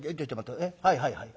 はいはいはい。